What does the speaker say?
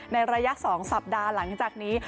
ในระยะ๒สัปดาห์หลังจากนี้